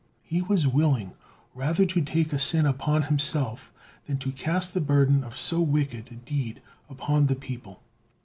He was willing rather to take a sin upon himself than to cast the burden of so wicked a deed upon the people.